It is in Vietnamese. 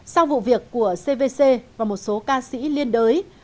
sau vụ việc của cvc và một số ca sĩ liên đới